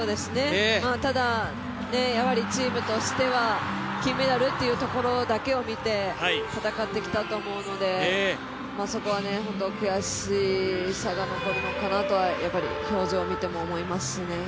ただ、やはりチームとしては金メダルというところだけを見て戦ってきたと思うのでそこは本当に悔しさが残るのかなと、表情を見ても思いますね。